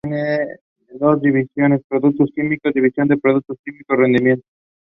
The design of the Shapur Cameo combines both Roman and Sasanian styles.